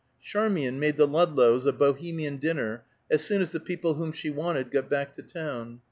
Charmian made the Ludlows a Bohemian dinner as soon as the people whom she wanted got back to town.